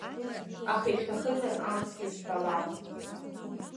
Аха ишәҭахызар амцгьы сҳәалап.